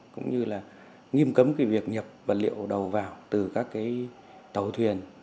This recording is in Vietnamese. cũng như là nghiêm cấm cái việc nhập vật liệu đầu vào từ các cái tàu thuyền